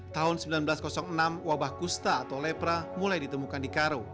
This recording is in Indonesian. tahun seribu sembilan ratus enam wabah kusta atau lepra mulai ditemukan di karo